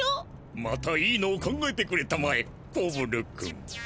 またいいのを考えてくれたまえコブル君。